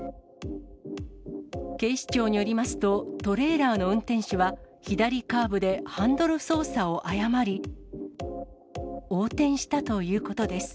警視庁によりますと、トレーラーの運転手は左カーブでハンドル操作を誤り、横転したということです。